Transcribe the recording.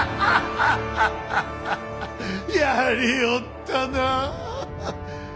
やりおったな。